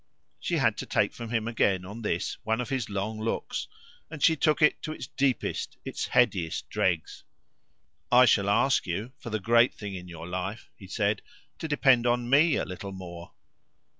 She had to take from him again, on this, one of his long looks, and she took it to its deepest, its headiest dregs. "I shall ask you, for the great thing in your life," he said, "to depend on ME a little more."